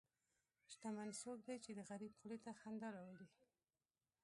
شتمن څوک دی چې د غریب خولې ته خندا راولي.